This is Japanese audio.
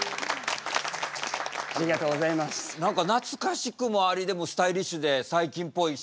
何か懐かしくもありでもスタイリッシュで最近っぽいし。